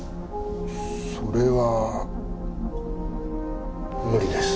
それは無理です。